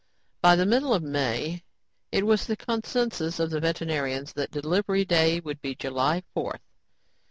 By the middle of May, it was the consensus of the veterinarians that Delivery Day would be July 4th.